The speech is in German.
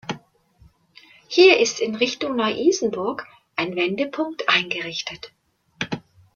Hier ist in Richtung Neu-Isenburg ein Wendepunkt eingerichtet.